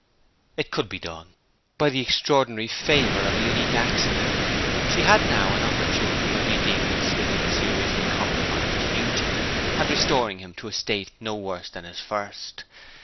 It could be done. By the extraordinary favour of a unique accident she had now an opportunity of redeeming Swithin's seriously compromised future, and restoring him to a state no worse than his first.